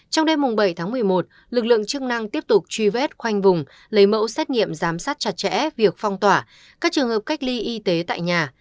trong đêm bảy tháng một mươi một lực lượng chức năng tiếp tục truy vết khoanh vùng lấy mẫu xét nghiệm giám sát chặt chẽ việc phong tỏa các trường hợp cách ly y tế tại nhà